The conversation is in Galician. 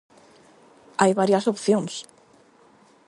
Hai varias opcións.